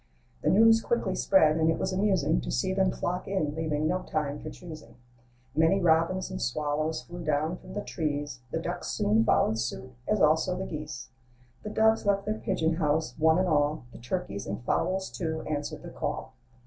The news quickly spread, and it was amusing To see them flock in, leaving no time for choosing. Many robins and swallows flew down from the trees; The ducks soon followed suit, as also the geese. 3 26 THE LIFE AND ADVENTURES The doves left their pigeon house, one and all; The turkeys and fowls, too, answered the call.